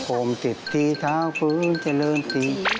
โอมสิทธิเท้าฟื้นเจริญศรี